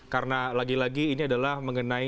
karena lagi lagi ini adalah mengenai